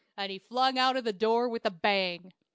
And he flung out of the door with a bang.